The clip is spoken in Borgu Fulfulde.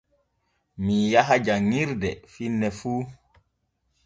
Mii yaha janŋirde finne fu.